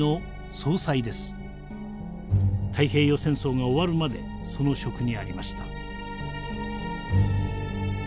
太平洋戦争が終わるまでその職にありました。